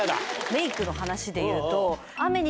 メイクの話で言うと。